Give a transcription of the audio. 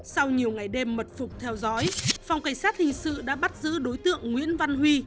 sau nhiều ngày đêm mật phục theo dõi phòng cảnh sát hình sự đã bắt giữ đối tượng nguyễn văn huy